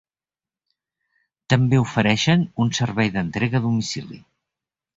També ofereixen un servei d'entrega a domicili.